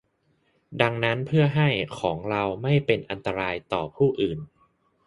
ดังนั้นเพื่อให้ ของเราไม่เป็นอันตรายต่อผู้อื่น